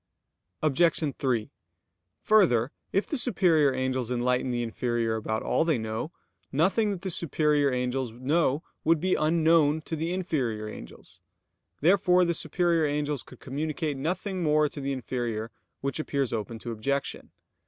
Obj. 3: Further, if the superior angels enlighten the inferior about all they know, nothing that the superior angels know would be unknown to the inferior angels. Therefore the superior angels could communicate nothing more to the inferior; which appears open to objection.